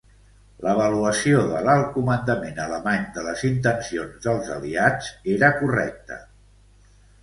L'avaluació de l'alt comandament alemany de les intencions dels aliats era correcta.